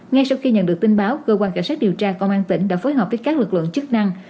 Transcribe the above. ngay sau khi nhận được tin báo cơ quan cảnh sát điều tra công an tỉnh đã phối hợp với các lực lượng chức năng